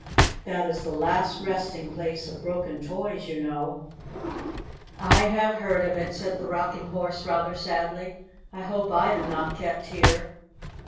That is the last resting place of broken toys, you know." "I have heard of it," said the Rocking Horse rather sadly. "I hope I am not kept here."